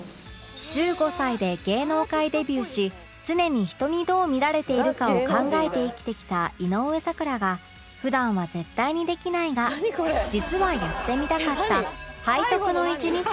１５歳で芸能界デビューし常に人にどう見られているかを考えて生きてきた井上咲楽が普段は絶対にできないが実はやってみたかった背徳の１日とは？